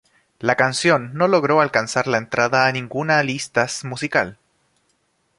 La canción no logró alcanzar la entrada a ninguna listas musical.